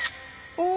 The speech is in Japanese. お！